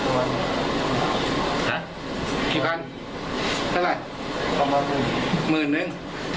หัะกี่พันเท่าไรประมาณหมื่นนึง